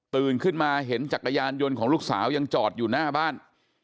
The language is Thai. ขึ้นมาเห็นจักรยานยนต์ของลูกสาวยังจอดอยู่หน้าบ้าน